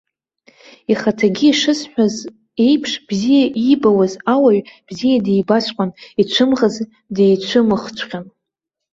Ихаҭагьы, ишысҳәаз еиԥш, бзиа иибауаз ауаҩ, бзиа дибаҵәҟьон, ицәымӷыз дицәымӷыҵәҟьан.